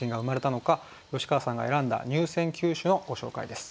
吉川さんが選んだ入選九首のご紹介です。